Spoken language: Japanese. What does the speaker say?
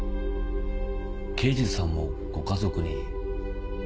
刑事さんもご家族に。